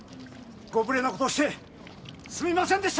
ご無礼な事をしてすみませんでした！